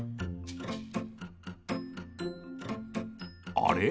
あれ？